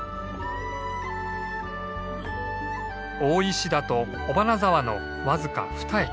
大石田と尾花沢の僅かふた駅。